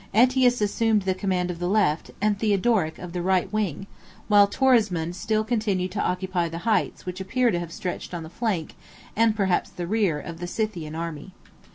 Ætius assumed the command of the left, and Theodoric of the right wing; while Torismond still continued to occupy the heights which appear to have stretched on the flank, and perhaps the rear, of the Scythian army.